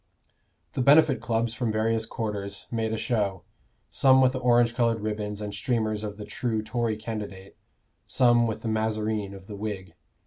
The Benefit Clubs from various quarters made a show, some with the orange colored ribbons and streamers of the true Tory candidate, some with the mazarine of the Whig.